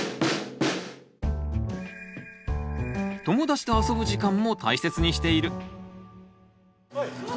友達と遊ぶ時間も大切にしている。